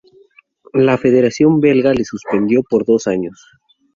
La Federación Belga le suspendió por dos años.